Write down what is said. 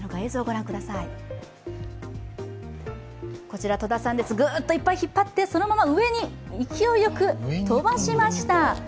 こちら戸田さんです、ぐっといっぱい引っ張ってそのまま上に勢いよく飛ばしました。